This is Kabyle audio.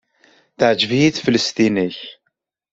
Teɛjeb-iyi teflest-nnek.